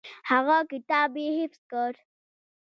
هغه کتاب یې حفظ کړ.